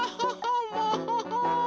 もう。